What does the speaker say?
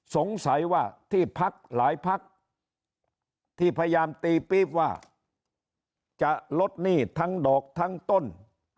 สงสัยว่าที่พักหลายพักที่พยายามตีปี๊บว่าจะลดหนี้ทั้งดอกทั้งต้น